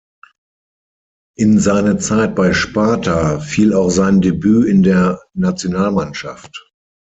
In seine Zeit bei Sparta fiel auch sein Debüt in der Nationalmannschaft.